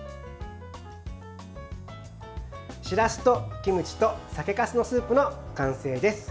しらすとキムチと酒かすのスープの完成です。